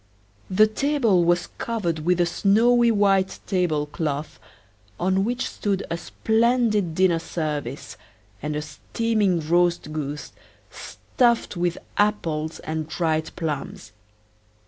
The table was covered with a snowy white table cloth, on which stood a splendid dinner service, and a steaming roast goose, stuffed with apples and dried plums.